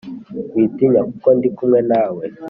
Witinya, kuko ndi kumwe nawe,